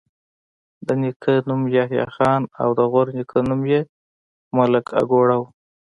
د نیکه نوم یحيی خان او د غورنیکه نوم یې ملک اکوړه وو